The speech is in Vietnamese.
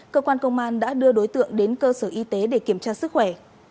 cơ quan công an đã đưa đối tượng đến cơ sở y tế để kiểm tra sức khỏe